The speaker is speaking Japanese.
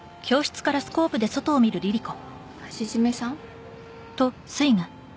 橋爪さん？